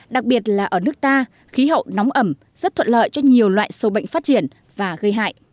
đặc biệt là ở nước ta khí hậu nóng ẩm rất thuận lợi cho nhiều loại sâu bệnh phát triển và gây hại